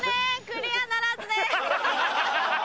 クリアならずです。